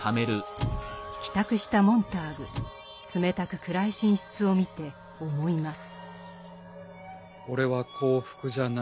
帰宅したモンターグ冷たく暗い寝室を見て思います。